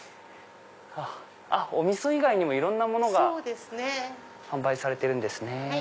あっお味噌以外もいろんなもの販売されてるんですね。